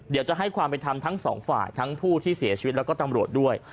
เดี๋ยวจะให้ความเป็นธรรมทั้งสองฝ่ายทั้งผู้ที่เสียชีวิตแล้วก็ตำรวจด้วย